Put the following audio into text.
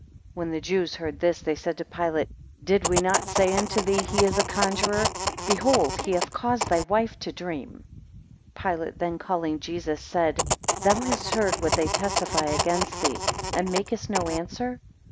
3 When the Jews heard this they said to Pilate, Did we not say unto thee, He is a conjuror? Behold, he hath caused thy wife to dream. 4 Pilate then calling Jesus, said, thou hast heard what they testify against thee, and makest no answer?